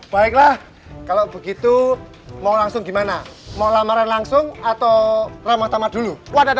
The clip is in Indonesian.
baiklah kalau begitu mau langsung gimana mau lamaran langsung atau ramah tamah dulu